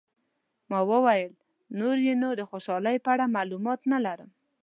ما وویل، نور یې نو د خوشحالۍ په اړه معلومات نه لرم.